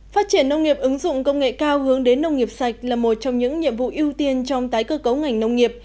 phát triển nông nghiệp ứng dụng công nghệ cao hướng đến nông nghiệp sạch là một trong những nhiệm vụ ưu tiên trong tái cơ cấu ngành nông nghiệp